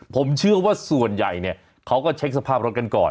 ผมเชื่อว่าส่วนใหญ่เนี่ยเขาก็เช็คสภาพรถกันก่อน